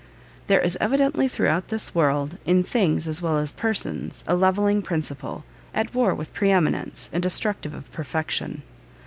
There is evidently throughout this world, in things as well as persons, a levelling principle, at war with pre eminence, and destructive of perfection."